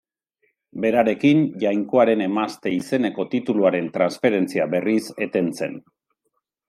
Berarekin, Jainkoaren Emazte izeneko tituluaren transferentzia berriz eten zen.